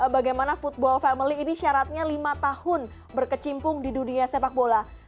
bagaimana football family ini syaratnya lima tahun berkecimpung di dunia sepak bola